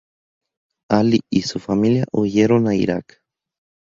Ali y su familia huyeron a Irak.